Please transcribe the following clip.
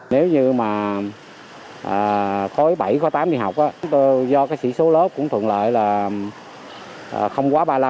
nếu như mà khối bảy có tám đi học do cái sĩ số lớp cũng thuận lợi là không quá ba mươi năm